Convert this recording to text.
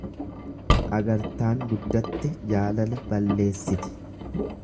Agartaan guddatte jaalala balleessiti.